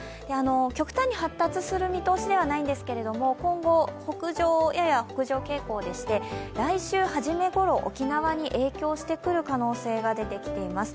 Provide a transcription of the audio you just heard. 極端に発達する見通しではないんですけど、今後やや北上傾向でして来週はじめごろ沖縄に影響してくる可能性が出てきています。